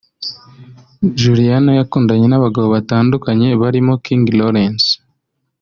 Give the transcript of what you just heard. Juliana yakundanye n’abagabo batandukanye barimo King Lawrence